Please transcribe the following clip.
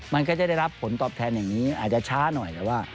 มันก็จะได้รับผลตอบแทนอย่างนี้อาจจะช้าหน่อยแต่ว่า